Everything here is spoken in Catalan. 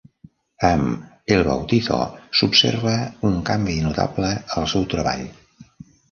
Amb "El Bautizo" s'observa un canvi notable al seu treball.